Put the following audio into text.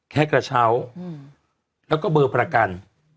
แค่กระเช้าแล้วก็เบอร์ประกัน